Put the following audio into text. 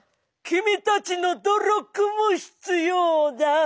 「君たちの努力も必要だ」